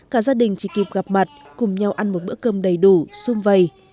cả gia đình chỉ kịp gặp mặt cùng nhau ăn một bữa cơm đầy đủ xung vầy